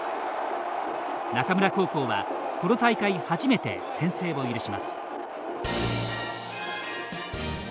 中村高校は、この大会初めて先制を許します。